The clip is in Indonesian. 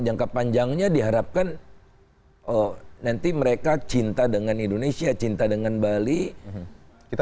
jangka panjangnya diharapkan nanti mereka cinta dengan indonesia cinta dengan bali kita